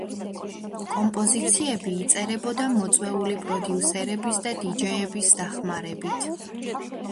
კომპოზიციები იწერებოდა მოწვეული პროდიუსერების და დიჯეების დახმარებით.